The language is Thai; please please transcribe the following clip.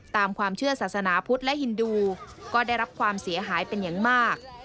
ตามความเชื่อศาสนาพุทธและฮินดูก็ได้รับความเสียหายเป็นอย่างมาก